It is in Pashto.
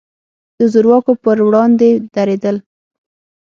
د زور واکو پر وړاندې درېدل.